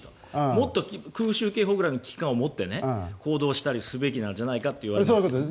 もっと空襲警報ぐらいの危機感を持って行動するべきなんじゃないかと。